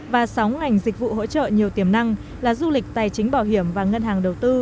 và sáu ngành dịch vụ hỗ trợ nhiều tiềm năng là du lịch tài chính bảo hiểm và ngân hàng đầu tư